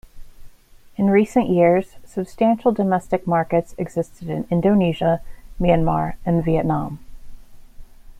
In recent years, substantial domestic markets existed in Indonesia, Myanmar and Vietnam.